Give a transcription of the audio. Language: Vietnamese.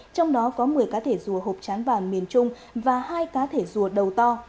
trong đó có một mươi cá thể rùa hộp trán vàng miền trung và hai cá thể rùa đầu to